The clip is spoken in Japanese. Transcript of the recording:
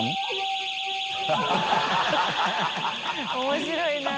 面白いな。